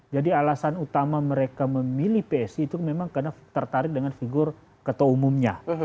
jadi alasan utama mereka memilih psi itu memang karena tertarik dengan figur ketua umumnya